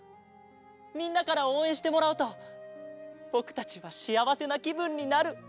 みんなからおうえんしてもらうとぼくたちはしあわせなきぶんになる。